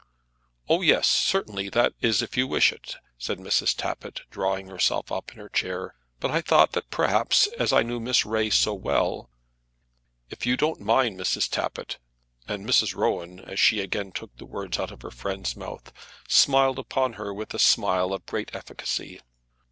"Oh, yes, certainly; that is, if you wish it," said Mrs. Tappitt, drawing herself up in her chair; "but I thought that perhaps, as I knew Miss Ray so well " "If you don't mind, Mrs. Tappitt " and Mrs. Rowan, as she again took the words out of her friend's mouth, smiled upon her with a smile of great efficacy.